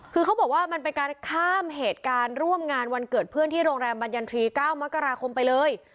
คือเขาบอกว่ามันเป็นการข้ามเหตุการณ์ร่วมงานวันเกิดเพื่อนที่โรงแรมบรรยันทรีย์๙มกราคมไปเลย